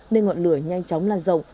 nên ngọn lửa nhanh chóng lan rộng